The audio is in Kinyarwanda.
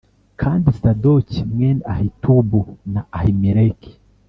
Kandi Sadoki mwene Ahitubu na Ahimeleki